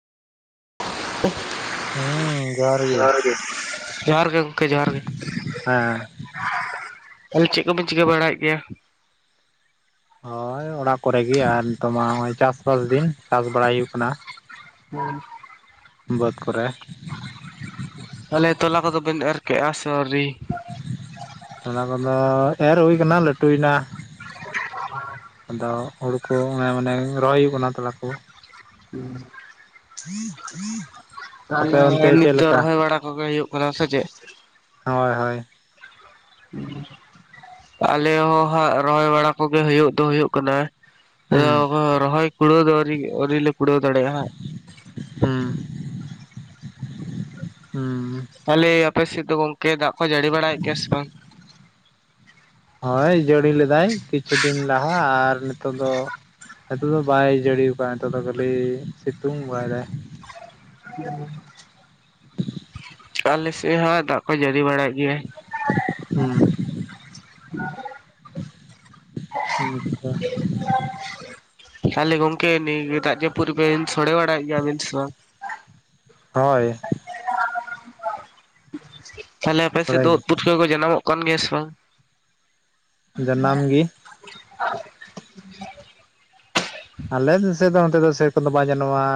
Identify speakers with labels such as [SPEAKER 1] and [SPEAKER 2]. [SPEAKER 1] ᱡᱚᱦᱟᱨ ᱜᱮ ᱡᱚᱷᱟᱨᱜᱮ ᱜᱚᱝᱠᱮ ᱡᱚᱦᱟᱨ ᱜᱮ᱾
[SPEAKER 2] ᱦᱮᱸ
[SPEAKER 1] ᱚᱞ ᱪᱮᱫ ᱠᱚᱵᱤᱱ ᱪᱤᱠᱟᱹ ᱵᱟᱲᱟᱭᱮᱫ ᱜᱮᱭᱟ?
[SPEAKER 2] ᱦᱳᱭ ᱚᱲᱟᱜ, ᱠᱚᱨᱮ ᱜᱮ ᱟᱨ ᱱᱤᱛᱳ ᱢᱟ ᱱ-ᱚᱭ ᱪᱟᱥᱼᱵᱟᱥ ᱫᱤᱱ ᱪᱟᱥ ᱵᱟᱲᱟᱭ ᱦᱩᱭᱩᱜ ᱠᱟᱱᱟ᱾ ᱵᱟᱹᱫᱽ ᱠᱚᱨᱮ,
[SPEAKER 1] ᱛᱟᱦᱚᱞᱮ ᱛᱚᱞᱟ ᱠᱚᱫᱚ ᱵᱮᱱ ᱮᱨ ᱠᱮᱜᱼᱟ ᱥᱮ ᱟᱣᱨᱤ?
[SPEAKER 2] ᱛᱞᱟ ᱠᱚᱫᱚ ᱮᱨ ᱦᱩᱭ ᱠᱟᱱᱟ ᱞᱟᱹᱴᱩᱭ ᱮᱱᱟ᱾ ᱟᱫᱚ ᱦᱩᱲᱩ ᱠᱚ ᱢᱟᱱᱮ ᱢᱟᱱᱮ ᱨᱚᱦᱚᱭ ᱦᱩᱭᱩᱜ ᱠᱟᱱᱟ ᱛᱞᱟ ᱠᱚ᱾ ᱟᱯᱮ ᱚᱱᱛᱮ
[SPEAKER 1] ᱛᱟᱦᱞᱮ ᱱᱤᱛ
[SPEAKER 2] ᱪᱮᱫ
[SPEAKER 1] ᱫᱚ
[SPEAKER 2] ᱞᱮᱠᱟ
[SPEAKER 1] ᱨᱚᱦᱚᱭ ᱵᱟᱲᱟ ᱠᱚᱜᱮ ᱦᱩᱭᱩᱜ ᱠᱟᱱᱟ ᱥᱮ ᱪᱮᱫ?
[SPEAKER 2] ᱦᱳᱭ ᱦᱳᱭ᱾
[SPEAKER 1] ᱟᱞᱮ ᱦᱚᱸ ᱦᱟᱸᱜ ᱨᱚᱦᱚᱭ ᱵᱟᱲᱟ ᱠᱚᱜᱮ ᱦᱩᱭᱩᱜ ᱫᱚ ᱦᱩᱭᱩᱜ ᱠᱟᱱᱟ᱾
[SPEAKER 2] ᱦᱩᱸ
[SPEAKER 1] ᱨᱚᱦᱚᱭ ᱠᱩᱲᱟᱹᱣ ᱫᱚ ᱟᱹᱣᱨᱤ ᱟᱹᱣᱨᱤ ᱞᱮ ᱠᱩᱲᱟᱹᱣ ᱫᱟᱲᱮᱭᱟᱜᱼᱟ ᱦᱟᱸᱜ᱾
[SPEAKER 2] ᱦᱩᱸ᱾ ᱦᱩᱸ
[SPEAKER 1] ᱛᱟᱦᱞᱮ ᱟᱯᱮ ᱥᱮᱫ ᱫᱚ ᱜᱚᱝᱠᱮ ᱫᱟᱜ ᱠᱚ ᱡᱟᱹᱲᱤ ᱵᱟᱲᱟᱭᱮᱫ ᱜᱮᱭᱟ ᱥᱮ ᱵᱟᱝ?
[SPEAKER 2] ᱦᱳᱭ ᱡᱟᱹᱲᱤ ᱞᱮᱫᱟᱭ ᱠᱤᱪᱷᱩ ᱫᱤᱱ ᱞᱟᱦᱟ ᱟᱨ ᱱᱤᱛᱚᱜ ᱫᱚ, ᱱᱤᱛᱚᱜ ᱫᱚ ᱵᱟᱭ ᱡᱟᱹᱲᱤ ᱟᱠᱟᱜ-ᱟ ᱱᱤᱛᱚᱜ ᱫᱚ ᱠᱟᱹᱴᱤᱡ ᱥᱤᱛᱩᱝ ᱵᱟᱭᱫᱟᱭ᱾
[SPEAKER 1] [unintelligible] ᱟᱞᱮ ᱥᱮᱫ ᱦᱚᱸ ᱫᱟᱜ ᱠᱚ ᱡᱟᱹᱲᱤ ᱵᱟᱲᱟᱭ ᱮᱫ ᱜᱤᱭᱟ᱾
[SPEAKER 2] ᱦᱩᱸ
[SPEAKER 1] [unintelligible]
[SPEAKER 2] ᱩᱸ ᱟᱪᱪᱷᱟ᱾
[SPEAKER 1] ᱛᱟᱦᱚᱞᱮ ᱜᱚᱝᱠᱮ ᱱᱤᱭᱟᱹ ᱫᱟᱜ ᱡᱟᱯᱩᱫᱨᱮ ᱵᱤᱱ ᱥᱳᱲᱮ ᱵᱟᱲᱟᱭᱮᱫ ᱜᱮᱭᱟᱵᱤᱱ ᱥᱮ ᱵᱟᱝ?
[SPEAKER 2] ᱦᱳᱭ᱾
[SPEAKER 1] ᱛᱟᱦᱞᱮ ᱟᱯᱮ ᱥᱮᱫ
[SPEAKER 2] ᱥᱚᱲᱮ
[SPEAKER 1] ᱫᱚ
[SPEAKER 2] ᱜᱮ
[SPEAKER 1] ᱩᱫ ᱯᱩᱴᱠᱟᱹ ᱠᱚ ᱡᱟᱱᱟᱢᱚᱜ ᱠᱟᱱ ᱜᱮᱭᱟ ᱥᱮ ᱵᱟᱝ?
[SPEAKER 2] ᱡᱟᱱᱟᱢ ᱜᱤ᱾ ᱟᱞᱮᱥᱮᱫ ᱫᱚ ᱱᱚᱛᱮ ᱫᱚ ᱥᱮᱨᱚᱠᱚᱢ ᱫᱚ ᱵᱟᱝ ᱡᱟᱱᱟᱢ ᱚᱜᱼᱟ᱾